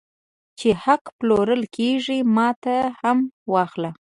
چې حق پلورل کېږي ماته یې هم واخله